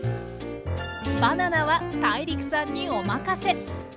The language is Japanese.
バナナはＴＡＩＲＩＫさんにお任せ。